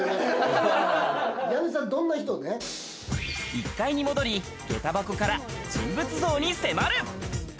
１階に戻り、下駄箱から人物像に迫る。